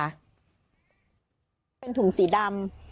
เป็นถุงสีดำ